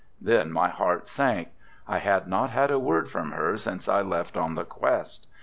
Then my heart sank, I had not had a word from her since I left on the quest.